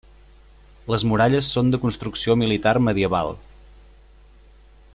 Les muralles són de construcció militar medieval.